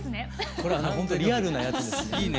これほんとリアルなやつですね。